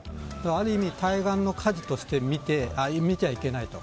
ある意味、対岸の火事として見ちゃいけないと。